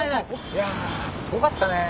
いやすごかったねぇもう